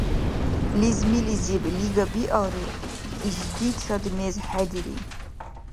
Лезмилизиб лига биалри, ишдицад мез хӀедири.